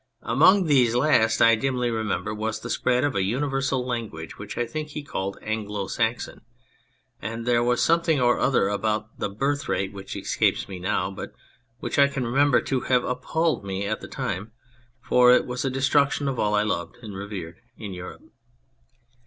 Among these last I dimly remember was the spread of a universal language, which I think he called " Anglo Saxon "; and there was something or other about the birth rate which escapes me now, but which I can remember to have appalled me at the time, for it was a destruction of all I loved and revered in Europe.